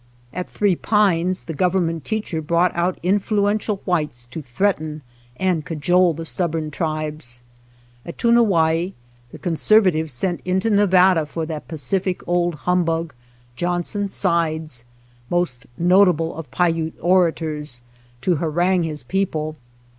At Three Pines the government teacher brought out influential whites to threaten and cajole the stubborn tribes. At Tuna wai the conservatives sent into Nevada for that pacific old humbug, Johnson Sides, most notable of Paiute orators, to harangue his people.